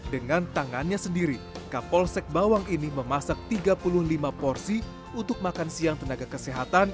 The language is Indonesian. dengan tangannya sendiri kapolsek bawang ini memasak tiga puluh lima porsi untuk makan siang tenaga kesehatan